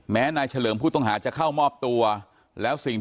แม้นายเชิงชายผู้ตายบอกกับเราว่าเหตุการณ์ในครั้งนั้น